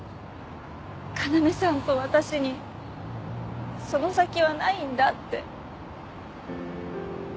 要さんと私にその先はないんだって。